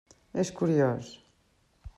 És curiós.